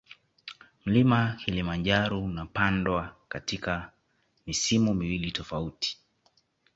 Mlima kilimanjaro unapandwa katika misimu miwili tofauti